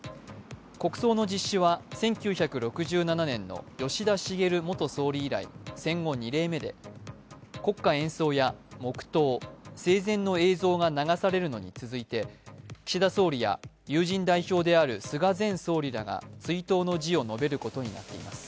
国葬の実施は１９６７年の吉田茂元総理以来、戦後２例目で、国歌演奏や黙とう、生前の映像が流されるのに続いて岸田総理や友人代表である菅前総理らが追悼の辞を述べることになっています。